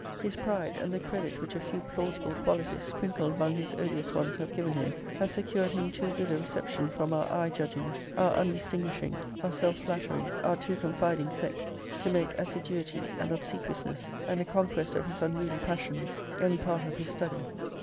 His pride, and the credit which a >>> few plausible qualities, sprinkled among his odious ones, have given him, have secured him too good a reception from our eye judging, our undistinguish ing, our self flattering, our too confiding sex, to make assiduity and obsequiousness, and a conquest of his unruly passions, any part of his study.